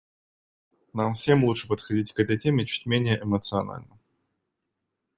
Нам всем лучше подходить к этой теме чуть менее эмоционально.